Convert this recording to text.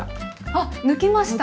あっ抜けましたね